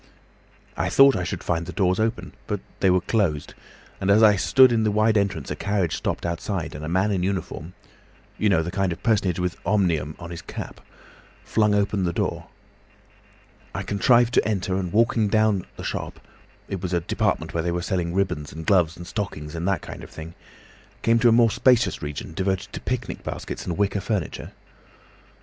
I had thought I should find the doors open, but they were closed, and as I stood in the wide entrance a carriage stopped outside, and a man in uniform—you know the kind of personage with 'Omnium' on his cap—flung open the door. I contrived to enter, and walking down the shop—it was a department where they were selling ribbons and gloves and stockings and that kind of thing—came to a more spacious region devoted to picnic baskets and wicker furniture.